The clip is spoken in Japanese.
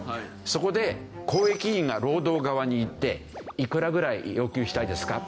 そこで公益委員が労働側に行って「いくらぐらい要求したいですか？」